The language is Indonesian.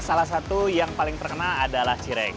salah satu yang paling terkenal adalah cireng